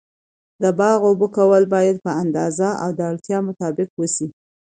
د باغ اوبه کول باید په اندازه او د اړتیا مطابق و سي.